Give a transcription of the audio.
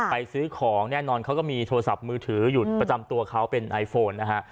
ซื้อของแน่นอนเขาก็มีโทรศัพท์มือถืออยู่ประจำตัวเขาเป็นไอโฟนนะฮะ